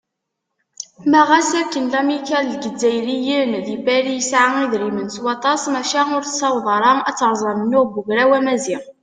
Ma ɣas akken lamikkal n yizzayriyen di Pari tesɛa idrimen s waṭas, maca ur tessaweḍ ara ad teṛṛez amennuɣ n Ugraw Amaziɣ.